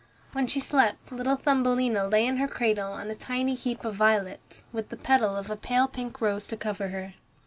When she slept little Thumbelina lay in her cradle on a tiny heap of violets, with the petal of a pale pink rose to cover her.